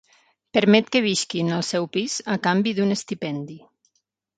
Permet que visquin al seu pis a canvi d'un estipendi.